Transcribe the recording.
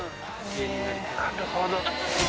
なるほど。